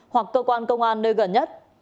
hoặc cơ quan công an nơi gần nhất